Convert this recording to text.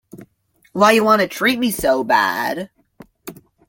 Why You Wanna Treat Me So Bad?